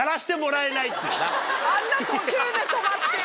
あんな途中で止まってる。